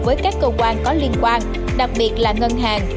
với các cơ quan có liên quan đặc biệt là ngân hàng